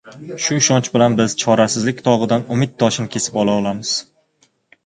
Shu ishonch bilan biz chorasizlik tog‘idan umid toshini kesib ola olamiz.